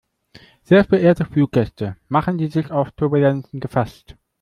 Sehr verehrte Fluggäste, machen Sie sich auf Turbulenzen gefasst.